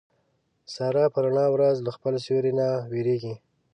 ساره په رڼا ورځ له خپل سیوري نه وېرېږي.